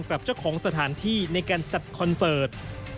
กับเจ้าของสถานที่ในการจัดคอนเสิร์ต